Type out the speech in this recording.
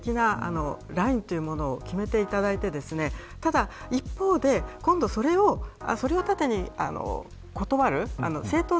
ですから、個別具体的なラインというものを決めていただいてただ、一方でそれを盾に断る。